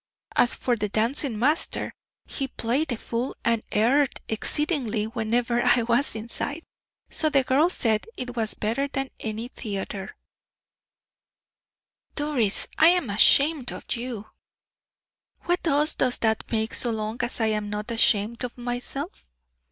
As for the dancing master, he played the fool and erred exceedingly whenever I was in sight; so the girls said it was better than any theater." "Doris, I am ashamed of you." "What odds does that make, so long as I am not ashamed of myself?"